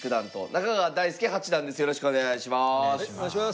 よろしくお願いします。